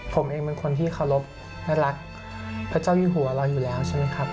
ผมเองเป็นคนที่เคารพและรักพระเจ้าอยู่หัวเราอยู่แล้วใช่ไหมครับ